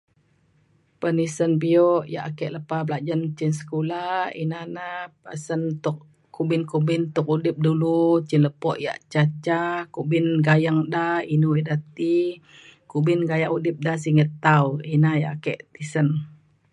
penisen bio ia' ake lepa belajen cin sekula ina na pasen tuk kumbin kumbin tuk udip dulu cin lepo ia' ca ca kumbin gayeng da inu ida ti kumbin gaya udip da singget tau. ina ia' ake tisen.